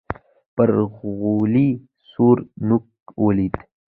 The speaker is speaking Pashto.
پر غولي سور نوک ولوېد.